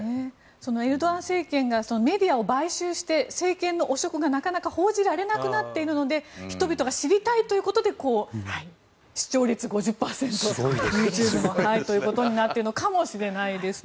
エルドアン政権がメディアを買収して政権の汚職がなかなか報じられなくなっているので人々が知りたいということで視聴率が５０％ということになっているのかもしれないです。